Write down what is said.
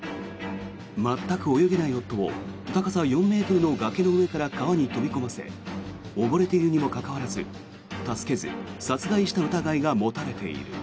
まったく泳げない夫を高さ４ｍの崖から川に飛び込ませ溺れているにもかかわらず助けず、殺害した疑いが持たれている。